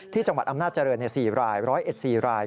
ที่จังหวัดอำนาจเจริญ๔รายร้อยเอ็ดซีราย